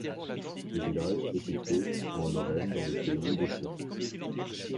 Le village est situé en Lorraine dans le pays de Sierck.